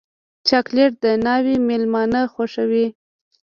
چاکلېټ د ناوې مېلمانه خوښوي.